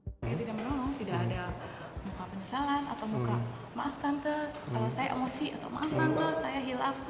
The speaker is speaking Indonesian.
saya tidak merenung tidak ada muka penyesalan atau muka maaf tante saya emosi atau maaf tante saya hilaf